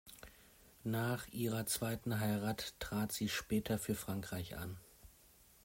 Nach ihrer zweiten Heirat trat sie später für Frankreich an.